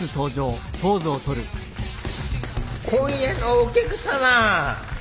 今夜のお客様！